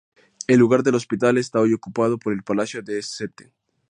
El lugar del hospital está hoy ocupado por el Palacio de St.